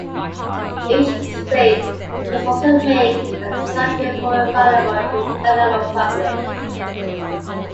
Each state must also make such a report available to the general public.